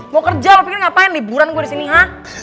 mau kerja lo pikir ngapain liburan gue disini hah